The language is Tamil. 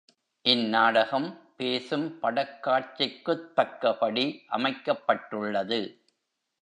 இந் நாடகம் பேசும் படக்காட்சிக்குத் தக்கபடி அமைக்கப் பட்டுள்ளது.